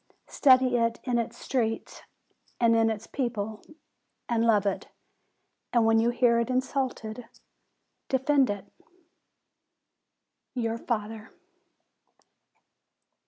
Study it in its streets and in its people, and love it; and when you hear it insulted, defend it. YOUR FATHER.